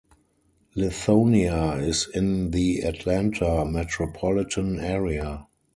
Lithonia is in the Atlanta metropolitan area.